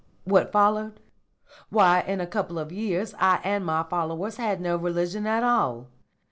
What followed? Why, in a couple of years I and my followers had no religion at all.